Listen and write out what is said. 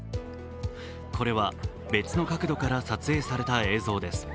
これは別の角度から撮影された映像です。